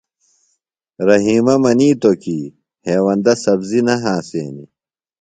رحیمہ منِیتوۡ کی ہیوندہ سبزیۡ نہ ہنسینیۡ۔